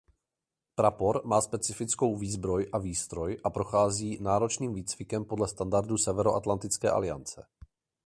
Prapor má specifickou výzbroj a výstroj a prochází náročným výcvikem podle standardů Severoatlantické aliance.